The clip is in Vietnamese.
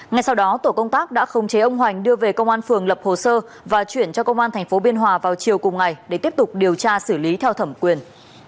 ngay sau đó tổ công tác đã không chế ông hoành đưa về công an phường lập hồ sơ và chuyển cho công an tp biên hòa vào chiều cùng ngày để tiếp tục điều tra xử lý theo thẩm quyền